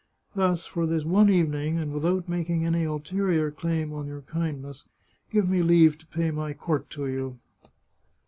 Thus, for this one evening, and without making any ulterior claim on your kindness, give me leave to pay my court to you.